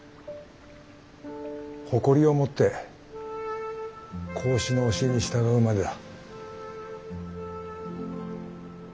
誇りを持って孔子の教えに従うまでだ。